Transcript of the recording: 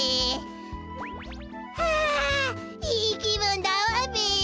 あいいきぶんだわべ！